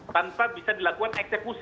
tanpa bisa dilakukan eksekusi